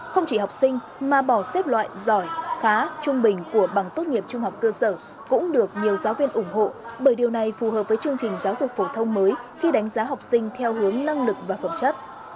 không chỉ học sinh mà bỏ xếp loại giỏi khá trung bình của bằng tốt nghiệp trung học cơ sở cũng được nhiều giáo viên ủng hộ bởi điều này phù hợp với chương trình giáo dục phổ thông mới khi đánh giá học sinh theo hướng năng lực và phẩm chất